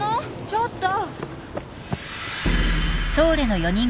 ちょっと。